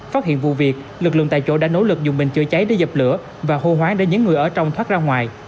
phát hiện vụ việc lực lượng tại chỗ đã nỗ lực dùng bình chữa cháy để dập lửa và hô hoáng để những người ở trong thoát ra ngoài